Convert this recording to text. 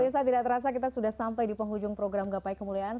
pemirsa tidak terasa kita sudah sampai di penghujung program gapai kemuliaan